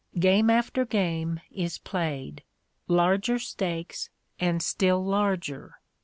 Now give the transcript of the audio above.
Game after game is played. Larger stakes and still larger.